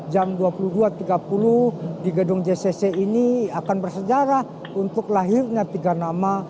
jam dua puluh dua tiga puluh di gedung jcc ini akan bersejarah untuk lahirnya tiga nama